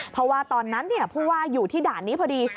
เพราะว่าตอนนั้นผู้ว่าอยู่ที่ด่านนี้พอดี